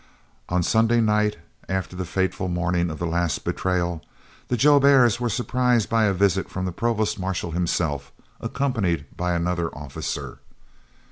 On Sunday night, after the fateful morning of the last betrayal, the Jouberts were surprised by a visit from the Provost Marshal himself, accompanied by another officer.